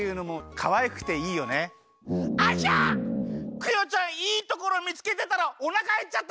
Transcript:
クヨちゃんいいところ見つけてたらおなかへっちゃった！